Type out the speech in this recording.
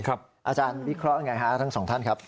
อาจารย์วิเคราะห์อันไงทั้ง๒ท่านครับ